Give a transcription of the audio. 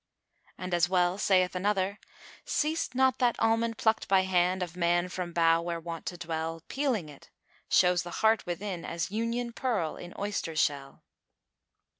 And as well saith another, "Seest not that Almond plucked by hand * Of man from bough where wont to dwell: Peeling it shows the heart within * As union pearl in oyster shell."